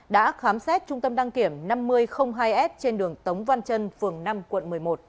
đã khám xét trung tâm đăng kiểm năm nghìn hai s trên đường tống văn trân phường năm quận một mươi một